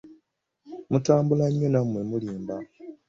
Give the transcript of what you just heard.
Mutambula nnyo nammwe mulimba.